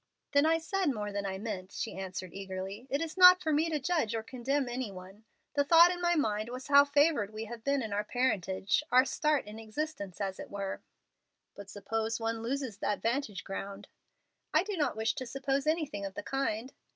"Then I said more than I meant," she answered, eagerly. "It is not for me to judge or condemn any one. The thought in my mind was how favored we have been in our parentage our start in existence, as it were." "But suppose one loses that vantage ground?" "I do not wish to suppose anything of the kind."